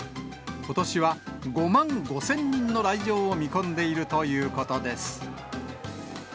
ことしは５万５０００人の来場を見込んでいるということです。